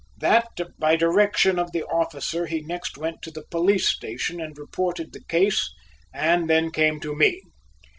That by direction of the officer he next went to the police station and reported the case, and then came to me.